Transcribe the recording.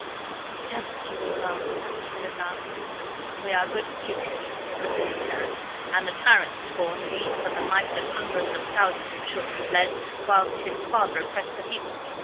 "What devils you all are!" he said at last. "We are good patriots," retorted Heron, "and the tyrant's spawn leads but the life that hundreds of thousands of children led whilst his father oppressed the people.